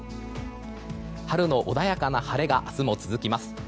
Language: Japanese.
春の穏やかな晴れが明日も続きます。